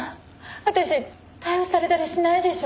私逮捕されたりしないでしょ？